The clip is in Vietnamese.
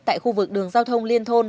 tại khu vực đường giao thông liên thôn